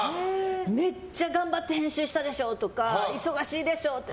めっちゃ頑張って編集したでしょとか忙しいでしょ？って。